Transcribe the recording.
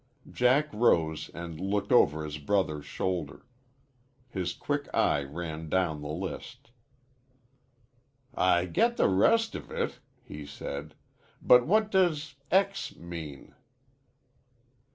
Jack rose and looked over his brother's shoulder. His quick eye ran down the list. "I get the rest of it," he said. "But what does X mean?"